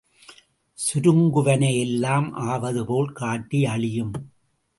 சுருங்குவன எல்லாம் ஆவது போல் காட்டி அழியும்.